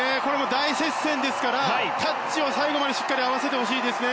大接戦ですからタッチを最後までしっかり合わせてほしいですね。